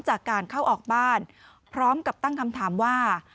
จากการเข้าออกบ้านพร้อมกับตั้งคำถามว่า